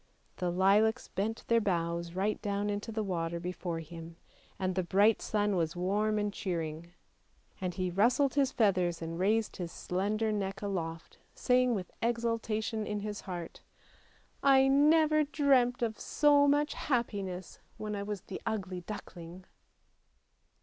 The lilacs bent their boughs right down into the water before him, and the bright sun was warm and cheering, and he rustled his feathers and raised his slender neck aloft, saying with exulta tion in his heart: " I never dreamt of so much happiness when I was the Ugly Duckling!